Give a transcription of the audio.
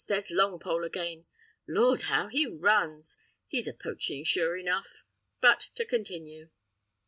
there's Longpole again! Lord! how he runs! He's a poaching, sure enough." But to continue.